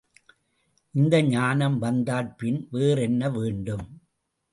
இந்த ஞானம் வந்தாற்பின் வேறென்ன வேண்டும்?